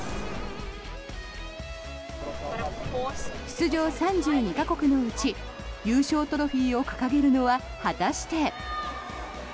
出場３２か国のうち優勝トロフィーを掲げるのは果たして。